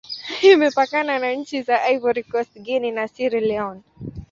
Imepakana na nchi za Ivory Coast, Guinea, na Sierra Leone.